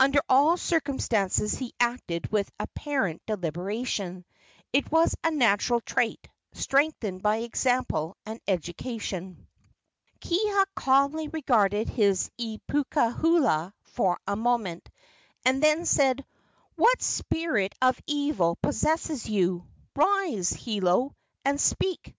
Under all circumstances he acted with apparent deliberation. It was a natural trait, strengthened by example and education. Kiha calmly regarded his ipukuha for a moment, and then said: "What spirit of evil possesses you? Rise, Hiolo, and speak!"